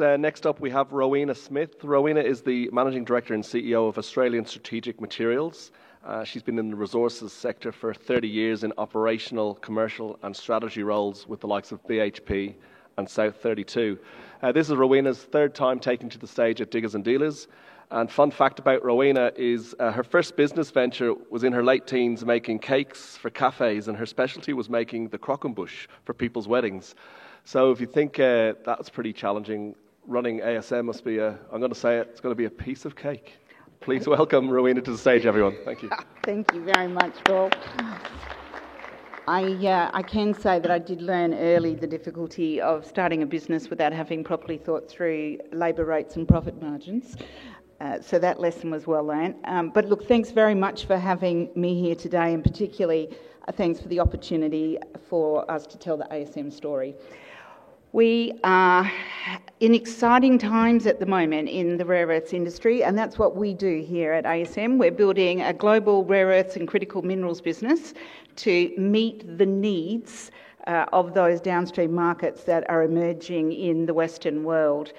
Next up we have Rowena Smith. Rowena is the Managing Director and CEO of Australian Strategic Materials. She's been in the resources sector for 30 years in operational, commercial, and strategy roles with the likes of BHP and South32. This is Rowena's third time taking to the stage at Diggers & Dealers. A fun fact about Rowena is her first business venture was in her late teens making cakes for cafes, and her specialty was making the croquembouch for people's weddings. If you think that's pretty challenging, running ASM must be, I'm going to say it, it's going to be a piece of cake. Please welcome Rowena to the stage, everyone. Thank you. Thank you very much, Paul. I can say that I did learn early the difficulty of starting a business without having properly thought through labor rates and profit margins. That lesson was well learnt. Thank you very much for having me here today, and particularly thanks for the opportunity for us to tell the ASM story. We are in exciting times at the moment in the rare earths industry, and that's what we do here at ASM. We're building a global rare earths and critical minerals business to meet the needs of those downstream markets that are emerging in the Western world.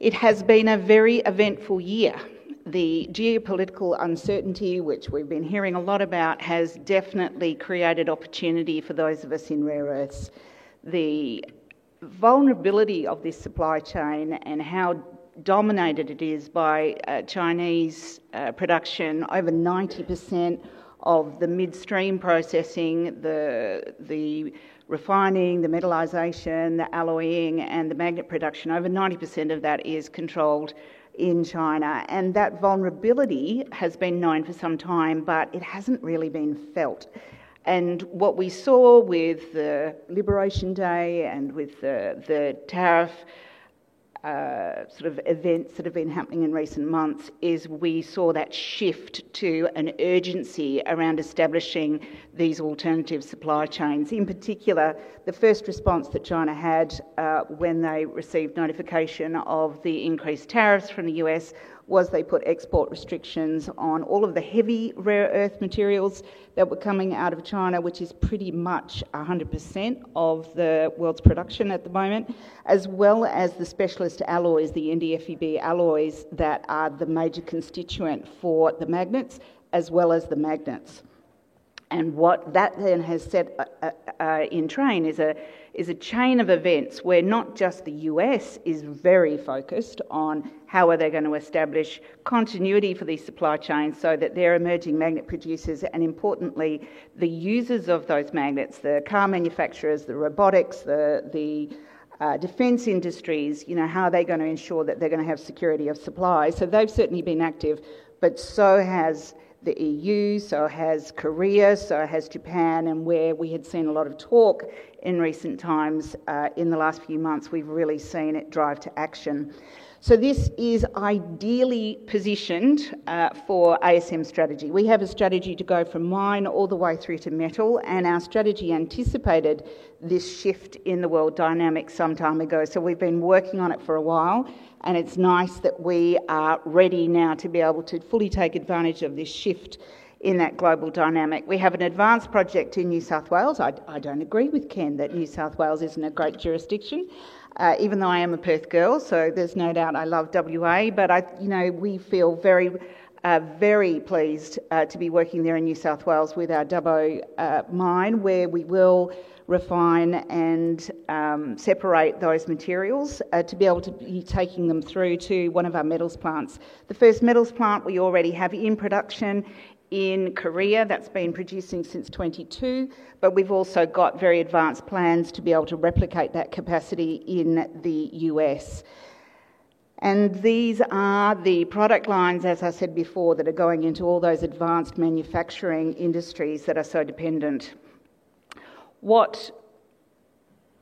It has been a very eventful year. The geopolitical uncertainty, which we've been hearing a lot about, has definitely created opportunity for those of us in rare earths. The vulnerability of this supply chain and how dominated it is by Chinese production, over 90% of the midstream processing, the refining, the metallization, the alloying, and the magnet production, over 90% of that is controlled in China. That vulnerability has been known for some time, but it hasn't really been felt. What we saw with the Liberation Day and with the tariff sort of events that have been happening in recent months is we saw that shift to an urgency around establishing these alternative supply chains. In particular, the first response that China had when they received notification of the increased tariffs from the U.S. was they put export restrictions on all of the heavy rare earth materials that were coming out of China, which is pretty much 100% of the world's production at the moment, as well as the specialist alloys, the NdFeB alloys that are the major constituent for the magnets, as well as the magnets. What that then has set in train is a chain of events where not just the U.S. is very focused on how they're going to establish continuity for these supply chains so that their emerging magnet producers, and importantly, the users of those magnets, the car manufacturers, the robotics, the defense industries, you know, how are they going to ensure that they're going to have security of supply? They've certainly been active, but so has the EUs, so has Koreas, so has Japan, and where we had seen a lot of talk in recent times in the last few months, we've really seen it drive to action. This is ideally positioned for ASM strategy. We have a strategy to go from mine all the way through to metal, and our strategy anticipated this shift in the world dynamic some time ago. We've been working on it for a while, and it's nice that we are ready now to be able to fully take advantage of this shift in that global dynamic. We have an advanced project in New South Wales. I don't agree with Ken that New South Wales isn't a great jurisdiction, even though I am a Perth girl, so there's no doubt I love W.A., but we feel very, very pleased to be working there in New South Wales with our Dubbo mine, where we will refine and separate those materials to be able to be taking them through to one of our metals plants. The first metals plant we already have in production in Korea has been producing since 2022, but we've also got very advanced plans to be able to replicate that capacity in the U.S. These are the product lines, as I said before, that are going into all those advanced manufacturing industries that are so dependent.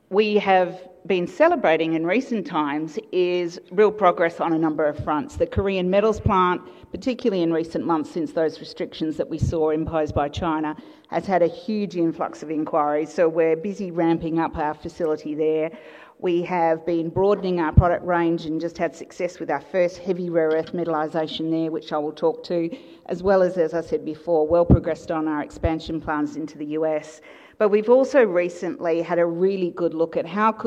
What we have been celebrating in recent times is real progress on a number of fronts. The Korean metals plant, particularly in recent months since those restrictions that we saw imposed by China, has had a huge influx of inquiries, so we're busy ramping up our facility there. We have been broadening our product range and just had success with our first heavy rare earth metallization there, which I will talk to, as well as, as I said before, well progressed on our expansion plans into the U.S. We've also recently had a really good look at how we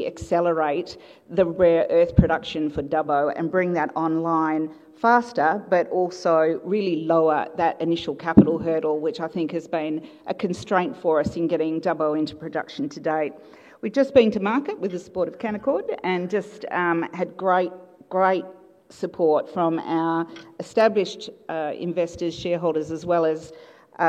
could accelerate the rare earth production for Dubbo and bring that online faster, but also really lower that initial capital hurdle, which I think has been a constraint for us in getting Dubbo into production to date. We've just been to market with the support of Canaccord and just had great, great support from our established investors, shareholders, as well as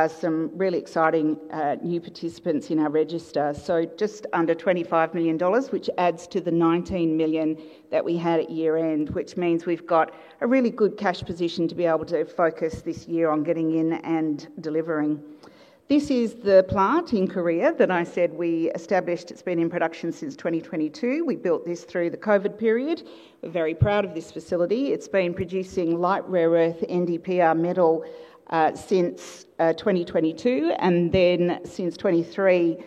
some really exciting new participants in our register. Just under 25 million dollars, which adds to the 19 million that we had at year end, means we've got a really good cash position to be able to focus this year on getting in and delivering. This is the plant in Korea that I said we established. It's been in production since 2022. We built this through the COVID period. We're very proud of this facility. It's been producing light rare earth NdPr metal since 2022, and then since 2023,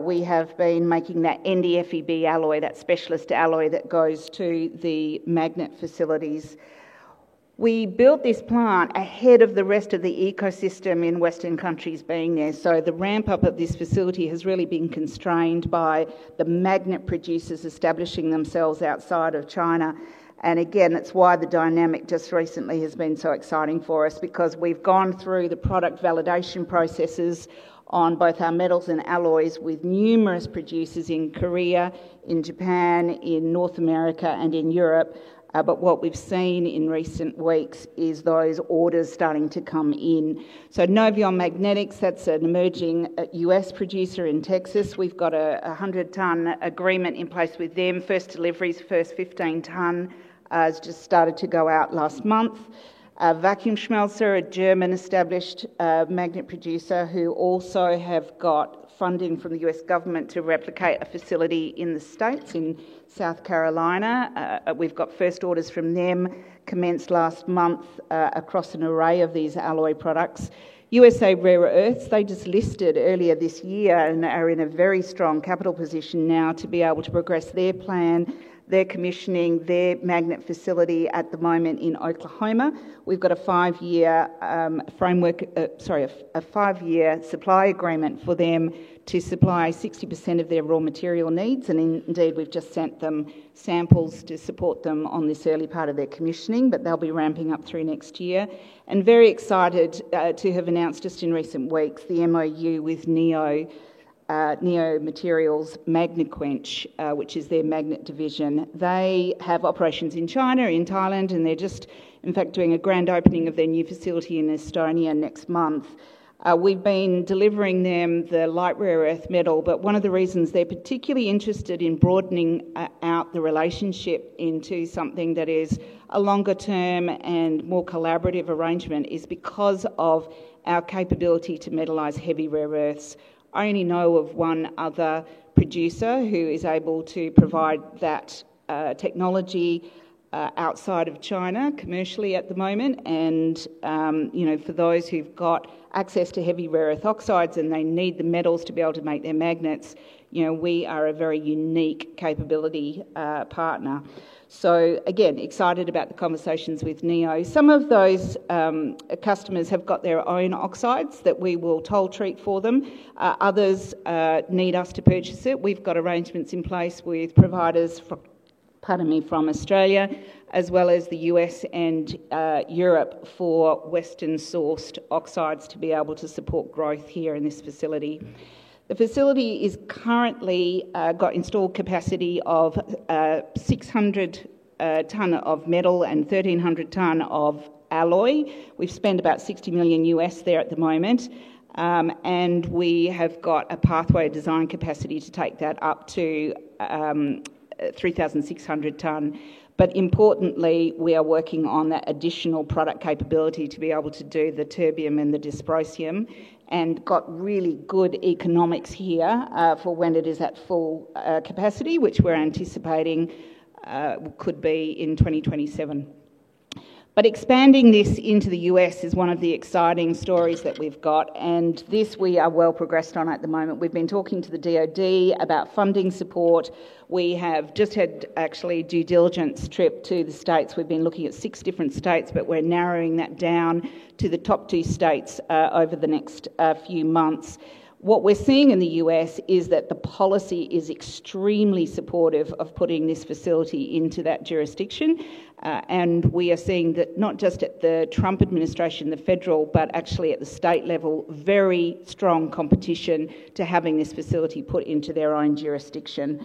we have been making that NdFeB alloy, that specialist alloy that goes to the magnet facilities. We built this plant ahead of the rest of the ecosystem in Western countries being there, so the ramp-up of this facility has really been constrained by the magnet producers establishing themselves outside of China. That's why the dynamic just recently has been so exciting for us, because we've gone through the product validation processes on both our metals and alloys with numerous producers in Korea, in Japan, in North America, and in Europe. What we've seen in recent weeks is those orders starting to come in. Novion Magnetics, that's an emerging U.S. producer in Texas. We've got a 100-ton agreement in place with them. First deliveries, first 15 ton, has just started to go out last month. Vacuumschmelze, a German-established magnet producer, who also has got funding from the U.S. government to replicate a facility in the States in South Carolina. We've got first orders from them commenced last month across an array of these alloy products. USA Rare Earths, they just listed earlier this year and are in a very strong capital position now to be able to progress their plan, their commissioning, their magnet facility at the moment in Oklahoma. We've got a five-year supply agreement for them to supply 60% of their raw material needs, and indeed we've just sent them samples to support them on this early part of their commissioning, but they'll be ramping up through next year. Very excited to have announced just in recent weeks the MOU with Neo Materials’ Magnequench, which is their magnet division. They have operations in China, in Thailand, and they're just, in fact, doing a grand opening of their new facility in Estonia next month. We've been delivering them the light rare earth metal, but one of the reasons they're particularly interested in broadening out the relationship into something that is a longer-term and more collaborative arrangement is because of our capability to metallize heavy rare earths. I only know of one other producer who is able to provide that technology outside of China commercially at the moment, and for those who've got access to heavy rare earth oxides and they need the metals to be able to make their magnets, we are a very unique capability partner. Excited about the conversations with NEO. Some of those customers have got their own oxides that we will toll-treat for them. Others need us to purchase it. We've got arrangements in place with providers from Australia, as well as the U.S. and Europe, for Western-sourced oxides to be able to support growth here in this facility. The facility has currently got installed capacity of 600 t of metal and 1,300 t of alloy. We've spent about $60 million there at the moment, and we have got a pathway design capacity to take that up to 3,600 t. Importantly, we are working on that additional product capability to be able to do the terbium and the dysprosium and got really good economics here for when it is at full capacity, which we're anticipating could be in 2027. Expanding this into the U.S. is one of the exciting stories that we've got, and this we are well progressed on at the moment. We've been talking to the DOD about funding support. We have just had actually a due diligence trip to the States. We've been looking at six different states, but we're narrowing that down to the top two states over the next few months. What we're seeing in the U.S. is that the policy is extremely supportive of putting this facility into that jurisdiction, and we are seeing that not just at the federal, but actually at the state level, very strong competition to having this facility put into their own jurisdiction.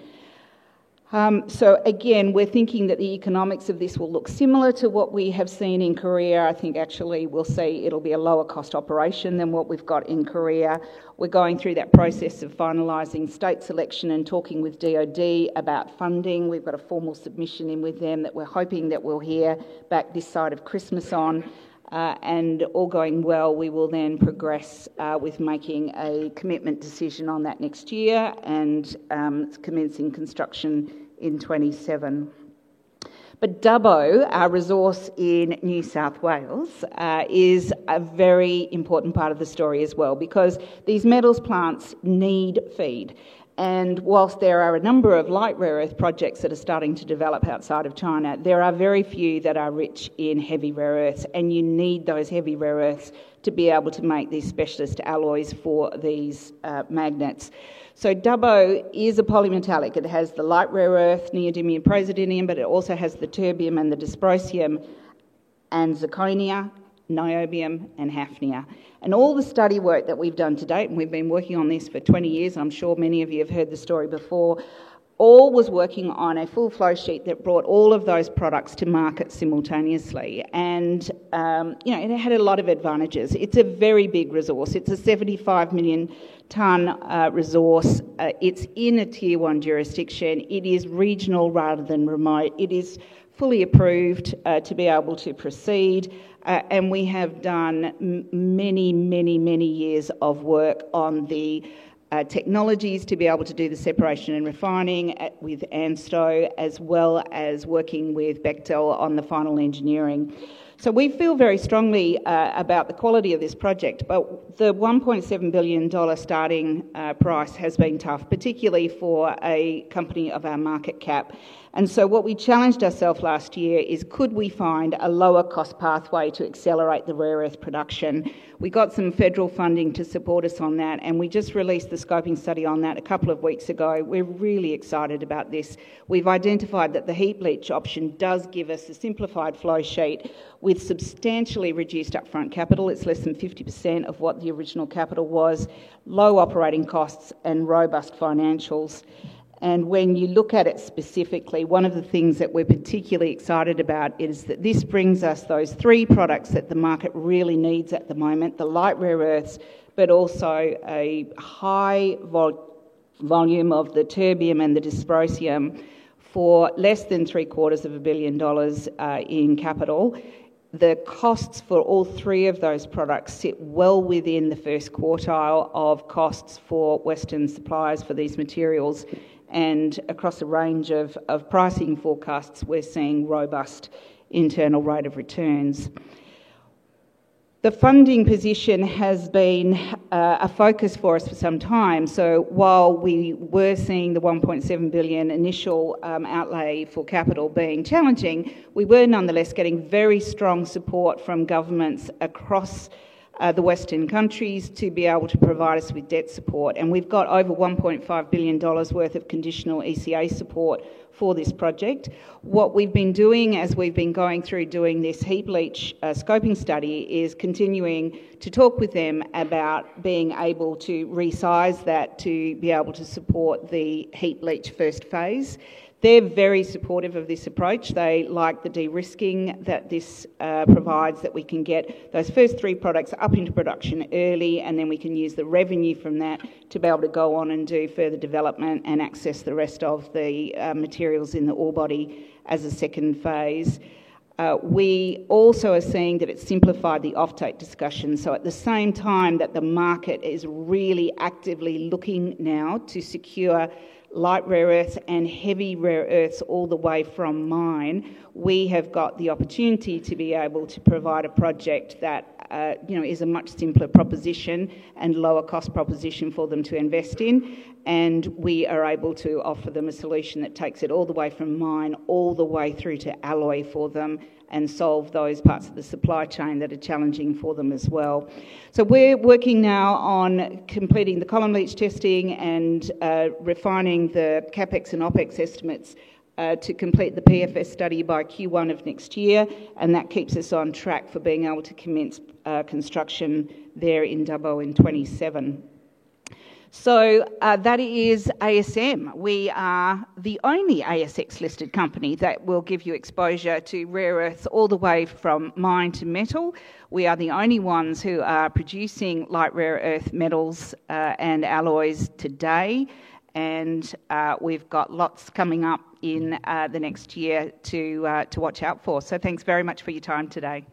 Again, we're thinking that the economics of this will look similar to what we have seen in Korea. I think actually we'll see it'll be a lower cost operation than what we've got in Korea. We're going through that process of finalizing state selection and talking with the DOD about funding. We've got a formal submission in with them that we're hoping that we'll hear back this side of Christmas on, and all going well, we will then progress with making a commitment decision on that next year, and it's commencing construction in 2027. Dubbo, our resource in New South Wales, is a very important part of the story as well, because these metals plants need feed. Whilst there are a number of light rare earth projects that are starting to develop outside of China, there are very few that are rich in heavy rare earths, and you need those heavy rare earths to be able to make these specialist alloys for these magnets. Dubbo is a polymetallic. It has the light rare earth neodymium, praseodymium, but it also has the terbium and the dysprosium and zirconia, niobium, and hafnia. All the study work that we've done to date, and we've been working on this for 20 years, and I'm sure many of you have heard the story before, all was working on a full flow sheet that brought all of those products to market simultaneously. It had a lot of advantages. It's a very big resource. It's a 75 million-ton resource. It's in a tier one jurisdiction. It is regional rather than remote. It is fully approved to be able to proceed. We have done many, many, many years of work on the technologies to be able to do the separation and refining with ANSTO, as well as working with Bechtel on the final engineering. We feel very strongly about the quality of this project, but the 1.7 billion dollar starting price has been tough, particularly for a company of our market cap. What we challenged ourselves last year is could we find a lower cost pathway to accelerate the rare earth production? We got some federal funding to support us on that, and we just released the scoping study on that a couple of weeks ago. We're really excited about this. We've identified that the heat leach option does give us a simplified flow sheet with substantially reduced upfront capital. It's less than 50% of what the original capital was, low operating costs, and robust financials. When you look at it specifically, one of the things that we're particularly excited about is that this brings us those three products that the market really needs at the moment, the light rare earths, but also a high volume of the terbium and the dysprosium for less than three quarters of 1 billion dollars in capital. The costs for all three of those products sit well within the first quartile of costs for Western suppliers for these materials. Across a range of pricing forecasts, we're seeing robust internal rate of returns. The funding position has been a focus for us for some time. While we were seeing the 1.7 billion initial outlay for capital being challenging, we were nonetheless getting very strong support from governments across the Western countries to be able to provide us with debt support. We've got over 1.5 billion dollars worth of conditional export credit agency support for this project. What we've been doing as we've been going through doing this heat leach scoping study is continuing to talk with them about being able to resize that to be able to support the heat leach first phase. They're very supportive of this approach. They like the de-risking that this provides, that we can get those first three products up into production early, and then we can use the revenue from that to be able to go on and do further development and access the rest of the materials in the ore body as a second phase. We also are seeing that it's simplified the offtake discussion. At the same time that the market is really actively looking now to secure light rare earths and heavy rare earths all the way from mine, we have got the opportunity to be able to provide a project that, you know, is a much simpler proposition and lower cost proposition for them to invest in. We are able to offer them a solution that takes it all the way from mine all the way through to alloy for them and solve those parts of the supply chain that are challenging for them as well. We're working now on completing the column leach testing and refining the CapEx and OpEx estimates to complete the PFS study by Q1 of next year. That keeps us on track for being able to commence construction there in Dubbo in 2027. That is ASM. We are the only ASX-listed company that will give you exposure to rare earths all the way from mine to metal. We are the only ones who are producing light rare earth metals and alloys today, and we've got lots coming up in the next year to watch out for. Thanks very much for your time today.